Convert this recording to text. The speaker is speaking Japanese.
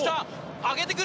上げてくる。